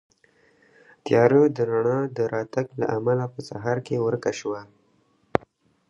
تیاره د رڼا د راتګ له امله په سهار کې ورکه شوه.